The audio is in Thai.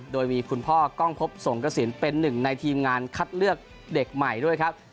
โดยมีคุณพ่อกล้องพบสงกระสินเป็นหนึ่งในทีมงานคัดเลือกเด็กใหม่ด้วยครับ